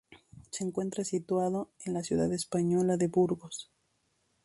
Se encuentra situado en la ciudad española de Burgos.